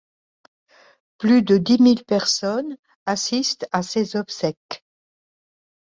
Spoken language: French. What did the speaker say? Plus de dix mille personnes assistent à ses obsèques.